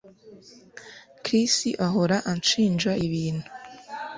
Chris ahora anshinja ibintu